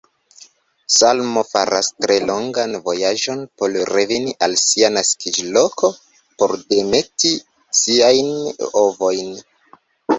Salmo faras tre longan vojaĝon por reveni al sia naskiĝloko por demeti siajn ovojn.